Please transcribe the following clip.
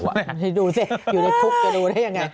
ดูสิอยู่ในคุกจะดูได้ยังไง